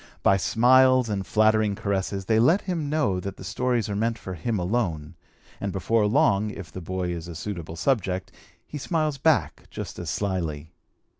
By smiles and flattering caresses they let him know that the stories are meant for him alone, and before long, if the boy is a suitable subject, he smiles back just as slyly.